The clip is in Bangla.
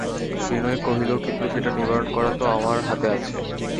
বিনয় কহিল, কিন্তু সেটা নিবারণ করা তো আমার হাতে আছে।